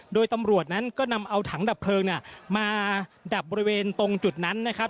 โดยตำรวจนั้นก็นำเอาถังดับเพลิงมาดับบริเวณตรงจุดนั้นนะครับ